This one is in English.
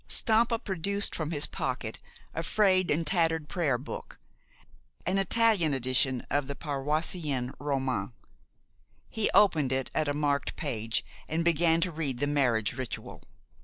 Stampa produced from his pocket a frayed and tattered prayer book an Italian edition of the Paroissien Romain. He opened it at a marked page, and began to read the marriage ritual.